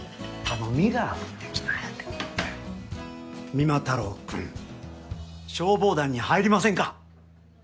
三馬太郎くん消防団に入りませんか？